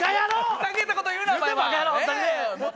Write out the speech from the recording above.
ふざけたこと言うな！